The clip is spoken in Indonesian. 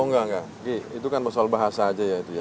oh enggak enggak itu kan soal bahasa aja ya itu ya